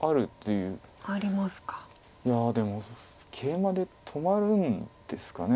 いやでもケイマで止まるんですかね。